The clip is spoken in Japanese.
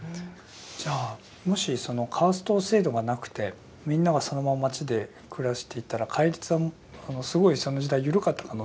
じゃあもしそのカースト制度がなくてみんながそのまま町で暮らしていたら戒律はすごいその時代緩かった可能性もあるってことですか？